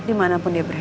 inangan pun dia berada